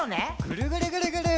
ぐるぐるぐるぐる。